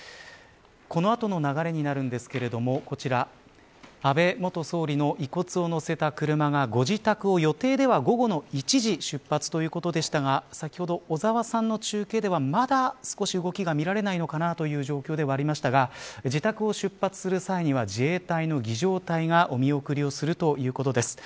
このあとの流れになるんですが安倍元総理の遺骨を載せた車がご自宅を予定では午後１時出発ということでしたが先ほど小澤さんの中継ではまだ少し動きが見られないのかなという状況でしたが自宅を出発する際には自衛隊の儀仗隊がお見送りをするということです。